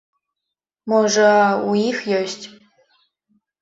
Можа, у іх ёсць?